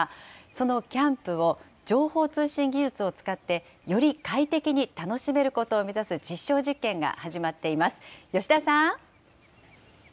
そのキャンプを情報通信技術を使って、より快適に楽しめることを目指す実証実験が始まっています。